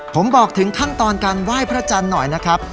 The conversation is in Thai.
ผมบอกถึงขั้นตอนการไหว้พระจันทร์หน่อยนะครับ